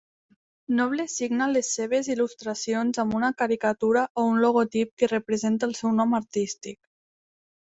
Noble signa les seves il·lustracions amb una caricatura o un logotip que representa el seu nom artístic.